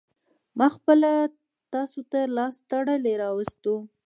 ما خپله تاسو ته لاس تړلى راوستو.